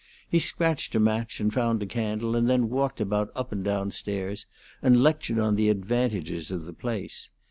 He scratched a match, and found a candle, and then walked about up and down stairs, and lectured on the advantages of the place.